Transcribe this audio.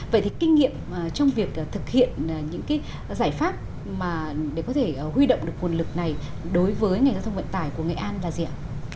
vậy thì kinh nghiệm trong việc thực hiện những cái giải pháp mà để có thể huy động được nguồn lực này đối với ngành giao thông vận tải của nghệ an là gì ạ